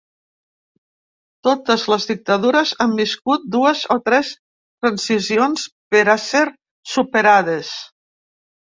Totes les dictadures han viscut dues o tres transicions per a ser superades.